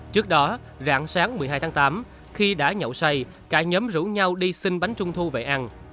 trước đó rạng sáng một mươi hai tháng tám khi đã nhậu say cả nhóm rủ nhau đi xin bánh trung thu về ăn